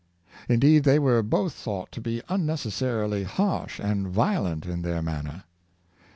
Indeed, they were both thought to be unnecessarily harsh and violent in their manner.